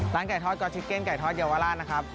ร้านไก่ทอดก็อดชิ้นแก่ทอดเยาวราชนะครับ